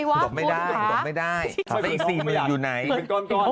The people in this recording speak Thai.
ครับแล้วมีแฟนยังคะ